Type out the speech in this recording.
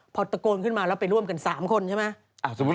พอตะโกนขึ้นมาแล้วไปร่วมกัน๓คนใช่ไหม